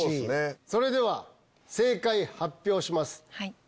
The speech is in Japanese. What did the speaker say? それでは正解発表します。